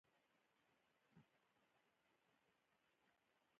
وطن